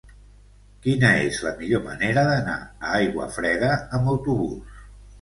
Quina és la millor manera d'anar a Aiguafreda amb autobús?